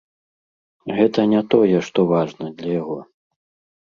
Гэта не тое, што важна для яго.